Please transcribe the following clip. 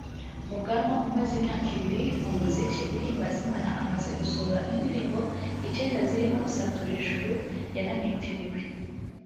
Muganwa umaze imyaka ibiri mu muziki uhimbaza Imana amaze gusohora indirimbo icyenda zirimo “Satura Ijuru” yanamwitiriwe